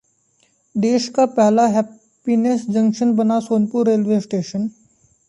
देश का पहला हैप्पीनेस जंक्शन बना सोनपुर रेलवे स्टेशन